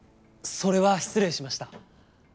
それは失礼しました。